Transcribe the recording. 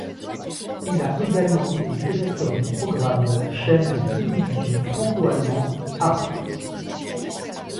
Il a également été directeur des programmes de la chaine de télévision franco-allemande Arte.